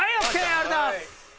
ありがとうございます！